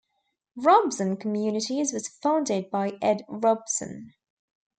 Robson Communities was founded by Ed Robson.